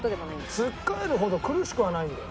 つっかえるほど苦しくはないんだよ